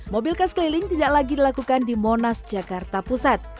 mobil khas keliling tidak lagi dilakukan di monas jakarta pusat